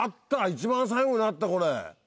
一番最後にあったこれ。